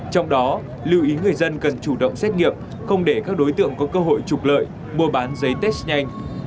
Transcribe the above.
trong đó lưu ý người dân cần chủ động xét nghiệm không để các đối tượng có cơ hội trục lợi mua bán giấy test nhanh